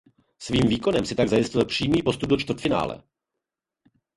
Svým výkonem si tak zajistil přímý postup do čtvrtfinále.